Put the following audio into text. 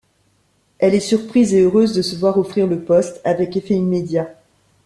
Elle est surprise et heureuse de se voir offrir le poste, avec effet immédiat.